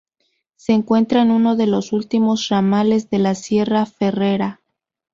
Se encuentra en uno de los últimos ramales de la sierra Ferrera.